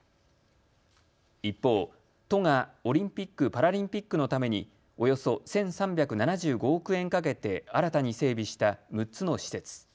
一方、都がオリンピック・パラリンピックのためにおよそ１３７５億円かけて新たに整備した６つの施設。